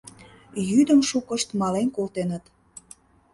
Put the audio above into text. Йӱдым шукышт мален колтеныт.